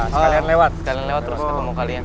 sekalian lewat terus ketemu kalian